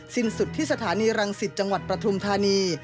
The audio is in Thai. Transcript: สิ้นสุดที่สถานีรังสิทธิ์จังหวัดประทุมธานี